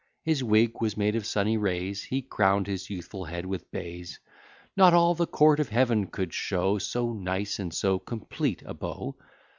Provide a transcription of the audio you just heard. His wig was made of sunny rays, He crown'd his youthful head with bays; Not all the court of Heaven could show So nice and so complete a beau.